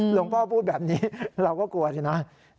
พ่อพูดแบบนี้เราก็กลัวสินะ